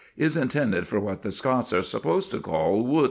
is intended for what the Scots are supposed to call "wut."